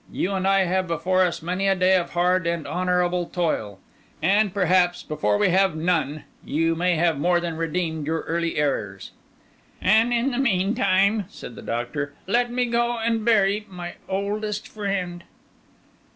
you and I have before us many a day of hard and honourable toil; and perhaps, before we have none, you may have more than redeemed your early errors." "And in the meantime," said the Doctor, "let me go and bury my oldest friend."